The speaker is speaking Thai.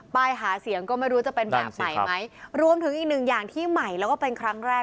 หาเสียงก็ไม่รู้จะเป็นแบบใหม่ไหมรวมถึงอีกหนึ่งอย่างที่ใหม่แล้วก็เป็นครั้งแรก